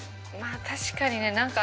まあ確かにね。